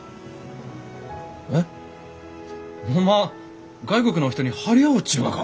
えっおまん外国のお人に張り合おうっちゅうがか？